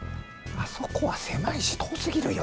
あそこは狭いし遠すぎるよ！